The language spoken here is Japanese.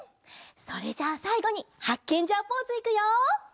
それじゃあさいごにハッケンジャーポーズいくよ！